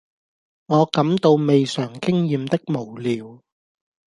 我感到未嘗經驗的無聊，